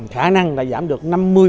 khả năng là giảm được năm mươi